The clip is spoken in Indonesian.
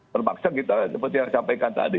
berpaksa kita seperti yang saya sampaikan tadi